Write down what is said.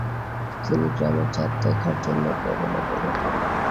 তিনি গ্রামে চাঁদ দেখার জন্য ভ্রমণে বেরোন।